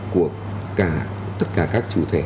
của tất cả các chủ thể